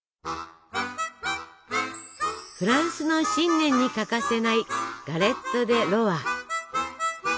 フランスの新年に欠かせないガレット・デ・ロワ。